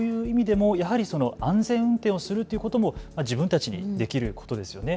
そういう意味でもやはりその安全運転をするということも自分たちにできることですよね。